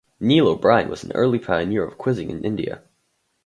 Neil O'Brien was an early pioneer of quizzing in India.